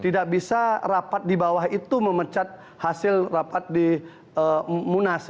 tidak bisa rapat di bawah itu memecat hasil rapat di munas